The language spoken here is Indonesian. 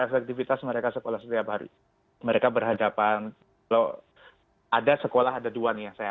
efektivitas mereka sekolah setiap hari mereka berhadapan loh ada sekolah ada dua nih yang saya